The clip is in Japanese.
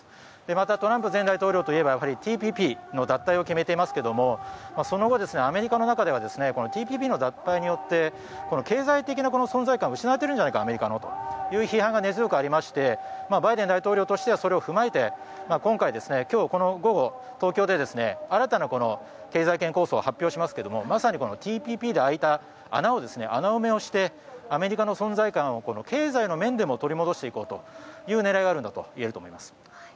また、トランプ前大統領といえばＴＰＰの脱退を決めていますけどもその後、アメリカの中ではＴＰＰの脱退によって経済的な存在感が失われているんじゃないかアメリカのという批判が根強くありましてバイデン大統領としてはそれを踏まえて、今回東京で新たな経済圏構想を発表しますけどＴＰＰで空いた穴を穴埋めをしてアメリカの存在感を経済の面でも取り戻していこうという狙いがあるといえると思います。